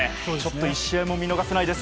１試合も見逃せないです。